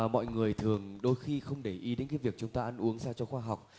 mọi người thường đôi khi không để ý đến cái việc chúng ta ăn uống ra cho khoa học